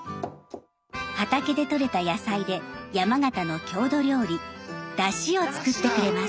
畑でとれた野菜で山形の郷土料理「だし」を作ってくれます。